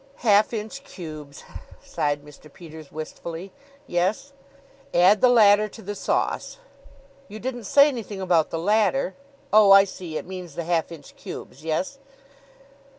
'" "Half inch cubes," sighed Mr. Peters wistfully. "Yes?" "'Add the latter to the sauce.'" "You didn't say anything about the latter. Oh, I see; it means the half inch cubes. Yes?"